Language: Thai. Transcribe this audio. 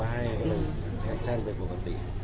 เห็นค่ะเห็นก็คือทุกคนก็คงจะสไปร์ไพรส์ที่แบบ